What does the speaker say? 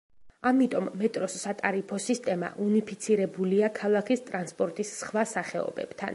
ამიტომ, მეტროს სატარიფო სისტემა უნიფიცირებულია ქალაქის ტრანსპორტის სხვა სახეობებთან.